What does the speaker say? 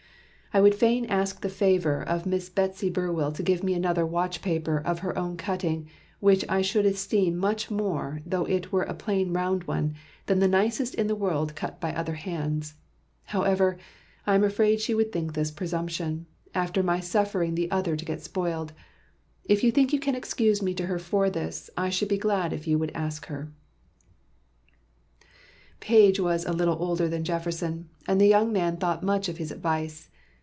"I would fain ask the favor of Miss Bettey Burwell to give me another watch paper of her own cutting, which I should esteem much more though it were a plain round one, than the nicest in the world cut by other hands; however I am afraid she would think this presumption, after my suffering the other to get spoiled. If you think you can excuse me to her for this, I should be glad if you would ask her...." Page was a little older than Jefferson, and the young man thought much of his advice.